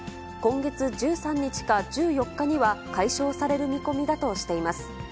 今月１３日か１４日には、解消される見込みだとしています。